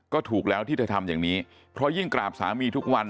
ก็ถูกแล้วที่เธอทำอย่างนี้เพราะยิ่งกราบสามีทุกวัน